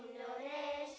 kepala bendera merah putih